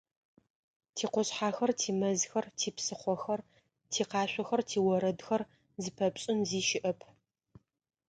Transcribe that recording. Тикъушъхьэхэр, тимэзхэр, типсыхъохэр, тикъашъохэр, тиорэдхэр - зыпэпшӏын зи щыӏэп.